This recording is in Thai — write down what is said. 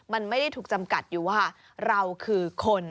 มันไม่ได้ถูกจำกัดอยู่ว่าเราคือคน